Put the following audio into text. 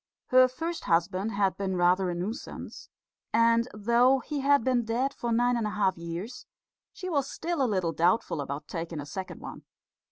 Her first husband had been rather a nuisance; and though he had been dead for nine and a half years, she was still a little doubtful about taking a second one.